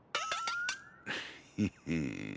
ヘヘ。